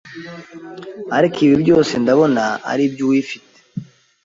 arko ibibyose ndabona ari iby’uwifite